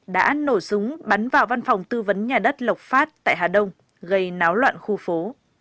đã nổ súng bắn vào văn phòng tư vấn nhà đất lộc phát tại hà đông gây náo loạn khu phố